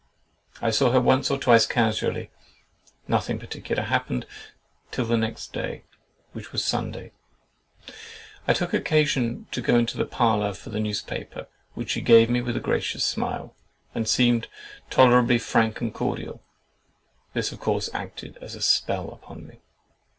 I saw her once or twice casually; nothing particular happened till the next day, which was Sunday. I took occasion to go into the parlour for the newspaper, which she gave me with a gracious smile, and seemed tolerably frank and cordial. This of course acted as a spell upon me.